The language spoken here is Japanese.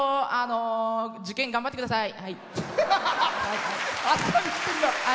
受験頑張ってください。